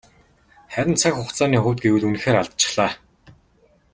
Харин цаг хугацааны хувьд гэвэл үнэхээр алдчихлаа.